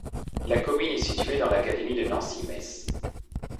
La commune est située dans l'académie de Nancy-Metz.